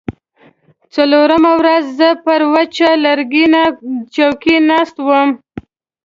څلورمه ورځ زه پر وچه لرګینۍ څوکۍ ناسته وم.